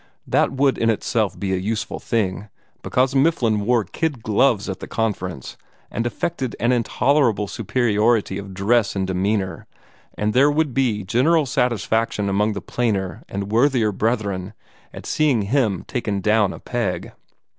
That would in itself be a useful thing, because Mifflin wore kid gloves at the Conference, and affected an intolerable superiority of dress and demeanor, and there would be general satisfaction among the plainer and worthier brethren at seeing him taken down a peg.